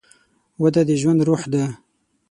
وده د ژوند روح ده.